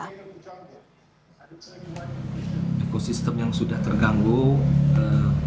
harimau ini juga terasa terusik harimau pun tiba tiba jadi penyerang warga